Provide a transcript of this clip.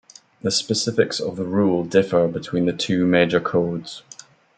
The specifics of the rule differ between the two major codes.